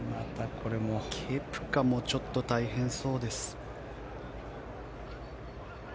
ケプカもちょっと大変そうです。